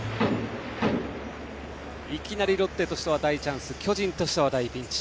いきなりロッテとしては大チャンス巨人としては大ピンチ。